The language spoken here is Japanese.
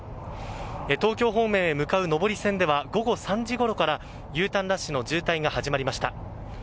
東京方面へ向かう上り線では午後３時ごろからＵターンラッシュの渋滞が始まりました。